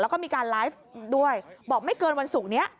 แล้วก็มีการไลฟ์ด้วยบอกไม่เกินวันศุกร์นี้